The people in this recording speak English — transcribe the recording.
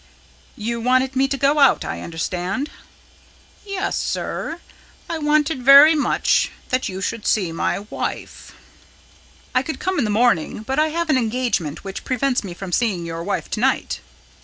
"You wanted me to go out, I understand?" "Yes, sir. I wanted very much that you should see my wife." "I could come in the morning, but I have an engagement which prevents me from seeing your wife tonight."